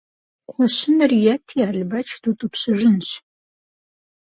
Кхъуэщыныр ети, Албэч дутӀыпщыжынщ.